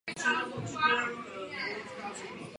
Obvykle se rovná úrovni významnosti testu.